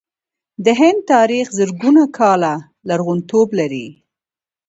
د هند تاریخ زرګونه کاله لرغونتوب لري.